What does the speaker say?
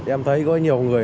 em thấy có nhiều người